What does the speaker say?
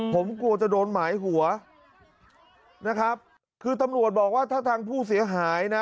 ผมกลัวจะโดนหมายหัวนะครับคือตำรวจบอกว่าถ้าทางผู้เสียหายนะ